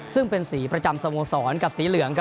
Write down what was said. ซึ่งเป็นสีประจำสโมสรกับสีเหลือง